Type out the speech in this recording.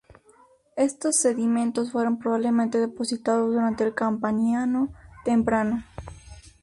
Estos sedimentos fueron probablemente depositados durante el Campaniano temprano.